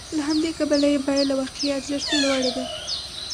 له همدې کبله یې بیه له واقعي ارزښت لوړه ده